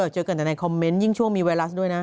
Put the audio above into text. เจอกันแต่ในคอมเมนต์ยิ่งช่วงมีไวรัสด้วยนะ